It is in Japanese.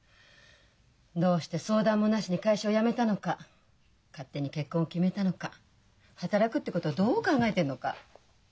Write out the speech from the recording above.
どうして相談もなしに会社を辞めたのか勝手に結婚を決めたのか働くってことをどう考えてるのか。